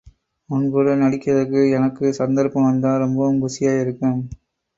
உன்கூட நடிக்கிறதுக்கு எனக்கு சந்தர்ப்பம் வந்தா, ரொம்பவும் குஷியாயிருக்கும்.